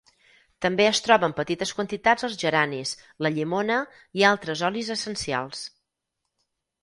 També es troba en petites quantitats als geranis, la llimona, i a altres olis essencials.